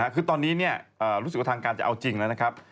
คือตอนนี้รู้สึกว่าทางการจะเอาจริงแล้วนะครับ